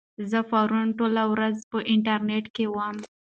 زه پرون ټوله ورځ په انټرنيټ کې وم.